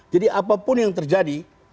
jadi apapun yang terjadi